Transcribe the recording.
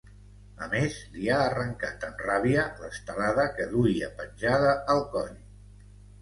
A més, li ha arrencat amb ràbia l’estelada que duia penjada al coll.